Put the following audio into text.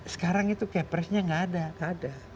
sekarang itu capresnya gak ada